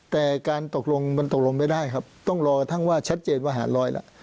แต่การตกลงมันตกลงไม่ได้ครับต้องรอทั้งว่าชัดเจนว่าหารลอยล่ะ